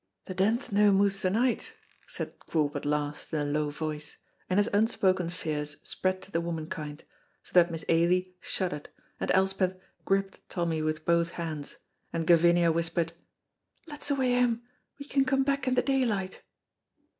"The Den's no mous the night," said Corp at last, in a low voice, and his unspoken fears spread to the womankind, so that Miss Ailie shuddered and Elspeth gripped Tommy with both hands and Gavinia whispered, "Let's away hame, we can come back in the daylight."